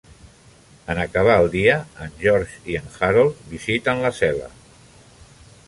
En acabar el dia, en George i en Harold visiten la cel·la.